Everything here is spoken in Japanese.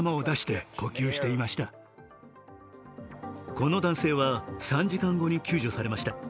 この男性は３時間後に救助されました。